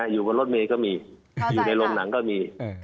อยู่บนรถเมย์ก็มีอยู่ในโรงหนังก็มี